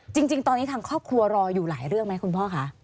จริงตอนนี้ทางครอบครัวรออยู่หลายเรื่องไหมคุณพ่อคะ